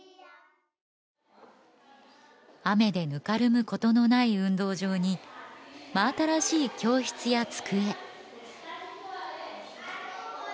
雨でぬかるむことのない運動場に真新しい教室や机